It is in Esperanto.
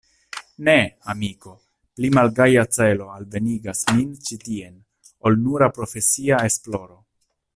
Ne, amiko, pli malgaja celo alvenigas min ĉi tien, ol nura profesia esploro.